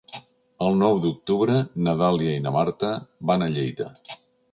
El nou d'octubre na Dàlia i na Marta van a Lleida.